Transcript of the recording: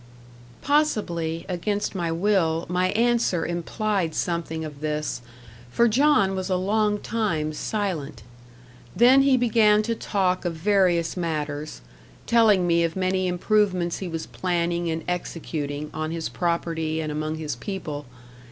Possibly, against my will, my answer implied something of this; for John was a long time silent. Then he began to talk of various matters; telling me of many improvements he was planning and executing, on his property, and among his people.